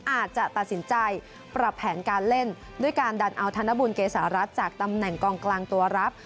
อาจจะตัดสินใจปรับแผนการเล่นด้วยการดันเอาธนบุญเกษารัฐจากตำแหน่งกองกลางตัวรับ